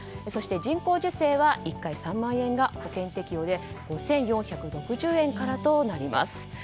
そして、人工授精は１回３万円が保険適用で５４６０円からとなります。